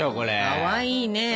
かわいいね。